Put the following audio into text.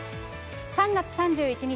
３月３１日